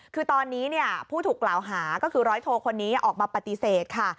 คือตอนนี้ผู้ถูกกล่าวหาก็คือร้อยโทคนนี้ออกมาปฏิเสธค่ะ